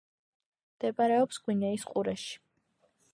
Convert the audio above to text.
მდებარეობს გვინეის ყურეში.